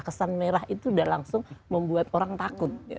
kesan merah itu sudah langsung membuat orang takut